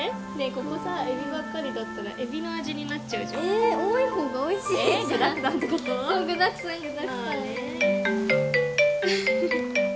ここさエビばっかりだったらエビの味になっちゃうじゃんええ多いほうがおいしいじゃん仕事？